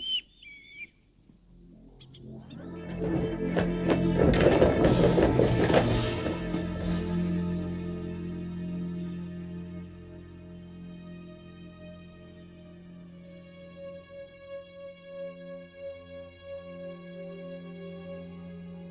dan menantangku bertemu di tempat ini